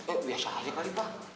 eh biasa aja kali pak